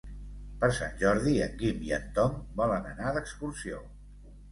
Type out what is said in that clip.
Per Sant Jordi en Guim i en Tom volen anar d'excursió.